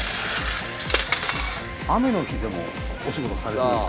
雨の日でもお仕事されるんですか？